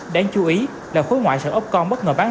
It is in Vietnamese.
đáng chú ý là khối ngoại sàn opcon bất ngờ bất ngờ